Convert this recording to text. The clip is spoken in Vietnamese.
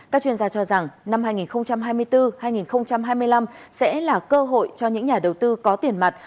các chuyên gia cho rằng năm hai nghìn hai mươi bốn hai nghìn hai mươi năm sẽ là cơ hội cho những nhà đầu tư có tiền mặt